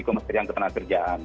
komersial yang ketenangan kerjaan